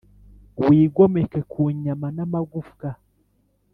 wigomeke ku nyama n'amagufwa,